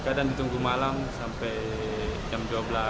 kadang ditunggu malam sampai jam dua belas